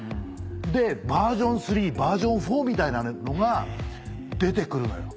でバージョン３バージョン４みたいなのが出て来るのよ。